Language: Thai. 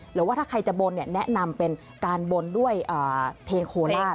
หรือว่าถ้าใครจะบนแนะนำเป็นการบนด้วยเพลงโคราช